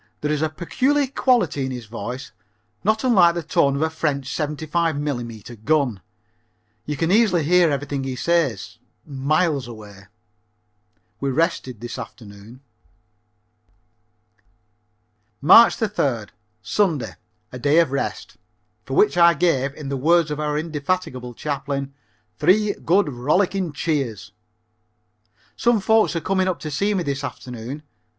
There is a peculiar quality in his voice, not unlike the tone of a French 75 mm. gun. You can easily hear everything he says miles away. We rested this afternoon. March 3d. Sunday a day of rest, for which I gave, in the words of our indefatigable Chaplain, "three good, rollicking cheers." Some folks are coming up to see me this afternoon.